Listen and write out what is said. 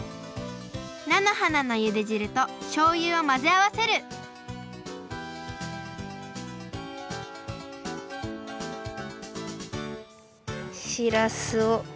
菜の花のゆでじるとしょうゆをまぜあわせるしらすを。